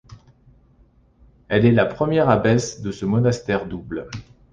Elle est la première abbesse de ce monastère double.